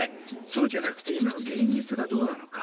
そうじゃなくて今の現実がどうなのか。